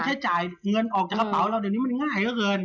ถ้าจ่ายเงินออกจากระเบาเราเรื่อยนี้มันง่ายกว่าเกิน